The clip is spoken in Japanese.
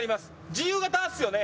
自由形っすよね？